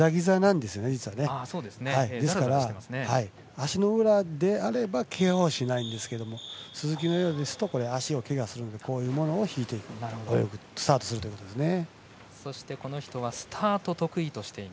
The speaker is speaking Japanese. ですから、足の裏であればけがはしないんですけど鈴木は足をけがするのでこういうものを敷いてスタートするというわけですね。